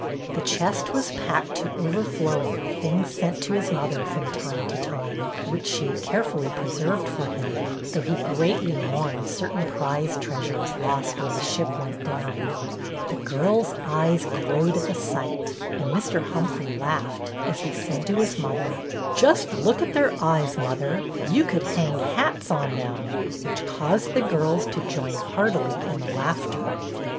The chest was packed to overflowing with things sent to his mother from time to time, which she had carefully preserved for him, though he greatly mourned certain prized treasures lost when the ship went down. The girls' eyes glowed at the sight, and Mr. Humphrey laughed as he said to his mother, — "Just look at their eyes, mother. You could hang hats on them," which caused the girls to join heartily in the laughter.